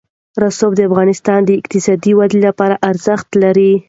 رسوب د افغانستان د اقتصادي ودې لپاره ارزښت لري.